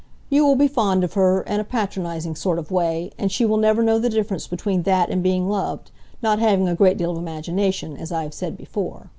You will be fond of her, in a patronizing sort of way, and she will never know the difference between that and being loved, not having a great deal of imagination, as I have said before.